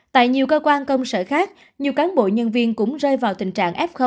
tại nhiều cơ quan công sở khác nhiều cán bộ nhân viên cũng rơi vào tình trạng f